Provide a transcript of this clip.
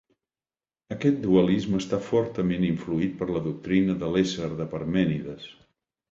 Aquest dualisme està fortament influït per la doctrina de l'ésser de Parmènides.